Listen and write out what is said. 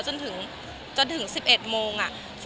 จนถึง๑๑โมง